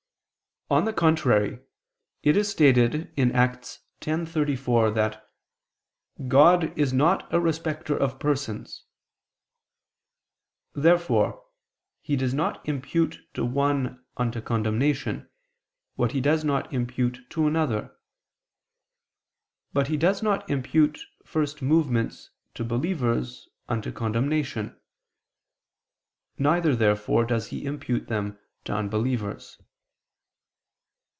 On the contrary, It is stated in Acts 10:34 that "God is not a respecter of persons." Therefore he does not impute to one unto condemnation, what He does not impute to another. But he does not impute first movements to believers, unto condemnation. Neither therefore does He impute them to unbelievers.